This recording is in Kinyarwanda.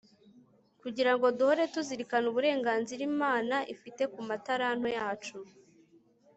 kugira ngo duhore tuzirikana uburenganzira imana ifite ku mataranto yacu